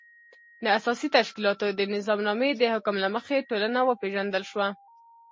د اساسي تشکیلاتو د نظامنامې د حکم له مخې ټولنه وپېژندل شوه.